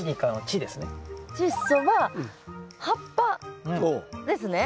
チッ素は葉っぱですね。